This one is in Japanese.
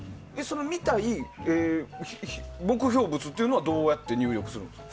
見たい目標物はどうやって入力するんですか。